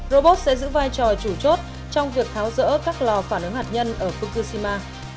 robot sẽ giữ vai trò chủ chốt trong việc tháo rỡ các lò phản ứng hạt nhân ở fukushima